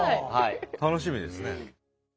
楽しみですね。